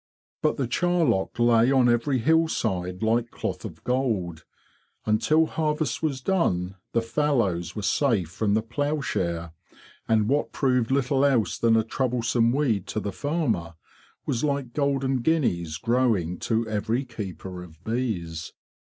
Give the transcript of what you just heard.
But the charlock lay on every hillside like cloth of gold. Until harvest was done the fallows were safe from the ploughshare, and what proved little else than a troublesome weed to the farmer was like golden guineas growing to every keeper of bees.